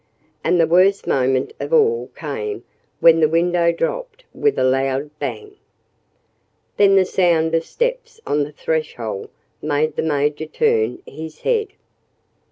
And the worst moment of all came when the window dropped with a loud bang. Then the sound of steps on the threshold made the Major turn his head.